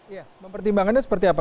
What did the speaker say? ya mempertimbangannya seperti apa